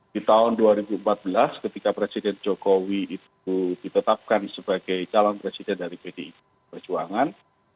di tahun dua ribu empat belas ketika presiden jokowi itu ditetapkan sebagai calon presiden dari pdi perjuangan